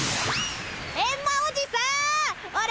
エンマおじさんおれ